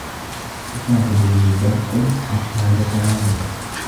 يصاحب البرق الرعد عادة.